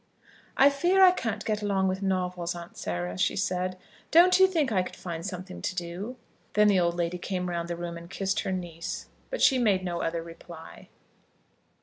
"I fear I can't get along with novels, Aunt Sarah," she said. "Don't you think I could find something to do." Then the old lady came round the room and kissed her niece; but she made no other reply.